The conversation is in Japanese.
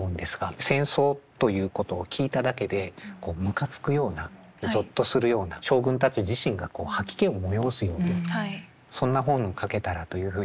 戦争ということを聞いただけでこうむかつくようなゾッとするような将軍たち自身がこう吐き気を催すようなそんな本を書けたらというふうに書いてらっしゃって。